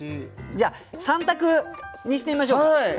じゃあ３択にしてみましょうか。